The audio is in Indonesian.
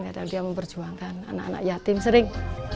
kadang dia memperjuangkan anak anak yatim sering